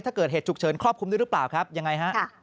ถ้าเกิดเหตุฉุกเฉินครอบคลุมด้วยหรือเปล่าครับยังไงฮะ